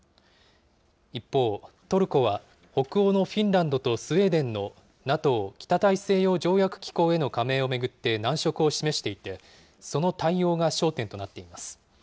一方、トルコは北欧のフィンランドとスウェーデンのＮＡＴＯ・北大西洋条約機構への加盟を巡って難色を示していて、その対応が焦点となっています。